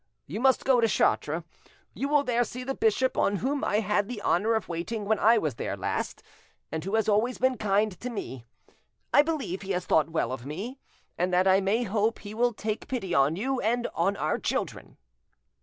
You must go to Chartres, you will there see the bishop, on whom I had the honour of waiting when I was there last, and who has always been kind to me; I believe he has thought well of me, and that I may hope he will take pity on you and on our children."